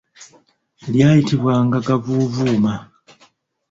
Lyayitibwanga gavuuvuuma.